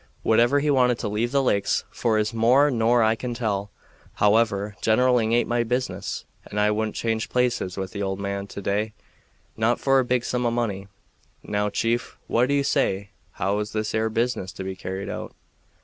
Whatever he wanted to leave the lakes for is more nor I can tell. However, generaling aint my business, and I wouldn't change places with the old man to day, not for a big sum of money. Now, chief, what do you say? How's this 'ere business to be carried out?"